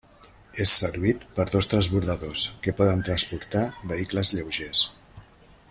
És servit per dos transbordadors, que poden transportar vehicles lleugers.